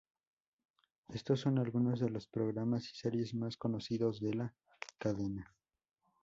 Estos son algunos de los programas y series más conocidos de la cadena.